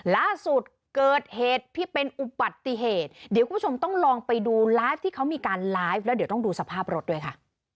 ล่าสุดเกิดเหตุที่เป็นอุบัติเหตุเดี๋ยวคุณผู้ชมต้องลองไปดูไลฟ์ที่เขามีการไลฟ์แล้วเดี๋ยวต้องดูสภาพรถด้วยค่ะ